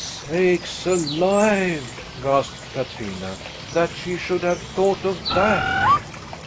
"Sakes alive!" gasped Katrina, "that she should have thought of that!"